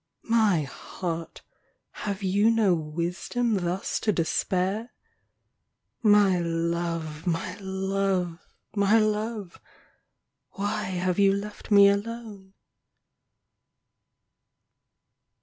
My heart, have you no wisdom thus to despair ? My love, my love, my love, why have you left me alone